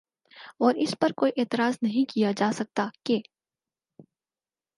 اور اس پر کوئی اعتراض نہیں کیا جا سکتا کہ